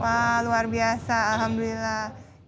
wah luar biasa alhamdulillah